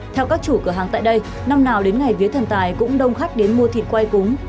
theo các chủ cửa hàng tại đây năm nào đến ngày vía thần tài cũng đông khách đến mua thịt quay cúng